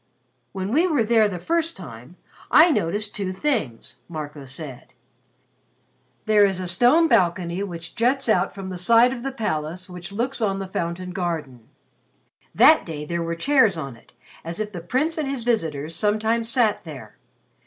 "When we were there the first time, I noticed two things," Marco said. "There is a stone balcony which juts out from the side of the palace which looks on the Fountain Garden. That day there were chairs on it as if the Prince and his visitors sometimes sat there.